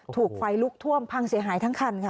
ถูกไฟลุกท่วมพังเสียหายทั้งคันค่ะ